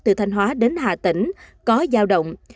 thanh hóa đến hà tĩnh có giao động